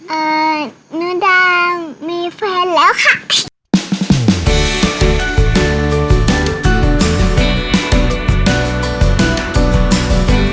เอ่อนูดามีแฟนแล้วค่ะ